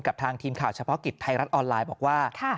กับทางทีมข่าวเฉพาะกิจไทยรัฐออนไลน์บอกว่า